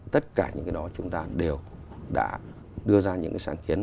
tất cả những cái đó chúng ta đều đã đưa ra những cái sáng kiến